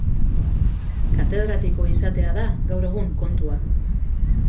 Katedratiko izatea da gaur egun kontua.